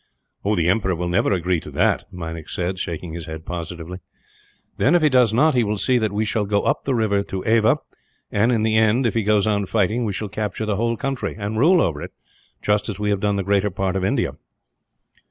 "The emperor will never agree to that," Meinik said, shaking his head positively. "Then if he does not, he will see that we shall go up the river to Ava and, in the end, if he goes on fighting we shall capture the whole country; and rule over it, just as we have done the greater part of India."